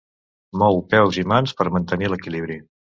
Mou peus i mans per mantenir l'equilibri.